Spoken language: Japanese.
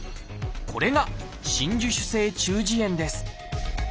これが「真珠腫性中耳炎」です。